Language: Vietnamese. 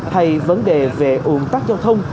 hay vấn đề về ủng tác giao thông